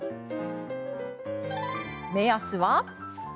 目安は？